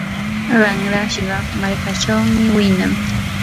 ramrashqa markaachawmi winan.